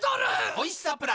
おいしさプラス